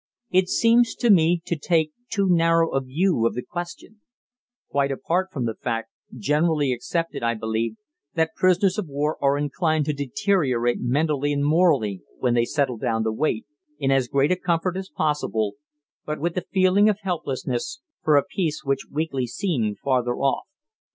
It seems to me to take too narrow a view of the question; quite apart from the fact, generally accepted I believe, that prisoners of war are inclined to deteriorate mentally and morally when they settle down to wait, in as great comfort as possible, but with a feeling of helplessness, for a peace which weekly seemed farther off.